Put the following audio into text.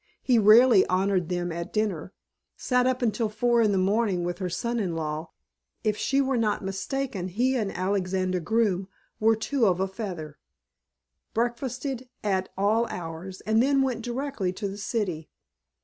He rarely honored them at dinner, sat up until four in the morning with her son in law (if she were not mistaken he and Alexander Groome were two of a feather), breakfasted at all hours, and then went directly to the city.